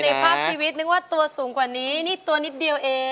ภาพชีวิตนึกว่าตัวสูงกว่านี้นี่ตัวนิดเดียวเอง